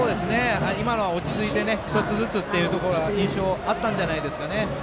今の落ち着いて１つずつという印象あったんじゃないでしょうかね。